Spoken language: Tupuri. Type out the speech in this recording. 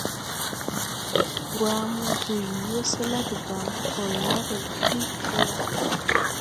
Wramo jo yii wɛsɛ la debaŋ, kɔl nage gɔ ɓi pyɛw.